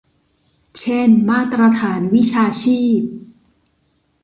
เช่นมาตรฐานวิชาชีพ